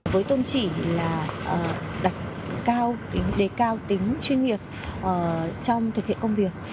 với tôn chỉ là đề cao tính chuyên nghiệp trong thực hiện công việc